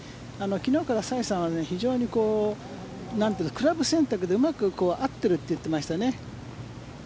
昨日からサイさんは非常にクラブ選択でうまく合っていると言ってましたね。